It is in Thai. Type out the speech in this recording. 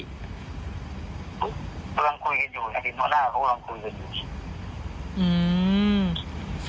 ก็ลองคุยกันอยู่